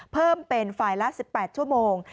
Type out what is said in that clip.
เพิ่มเป็นฝ่ายละ๑๘ชั่วโมง